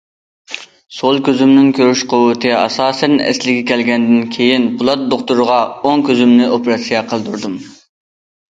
سول كۆزۈمنىڭ كۆرۈش قۇۋۋىتى ئاساسەن ئەسلىگە كەلگەندىن كېيىن پولات دوختۇرغا ئوڭ كۆزۈمنى ئوپېراتسىيە قىلدۇردۇم.